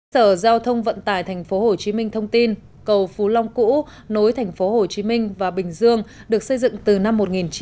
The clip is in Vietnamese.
sở giao thông vận tải tp hcm thông tin cầu phú long cũ nối tp hcm và bình dương được xây dựng từ năm một nghìn chín trăm bảy mươi